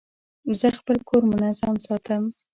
زه خپل کور منظم ساتم.